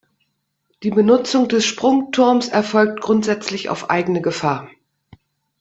Die Benutzung des Sprungturms erfolgt grundsätzlich auf eigene Gefahr.